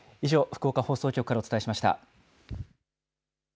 以上、福岡放送局からお伝えしました。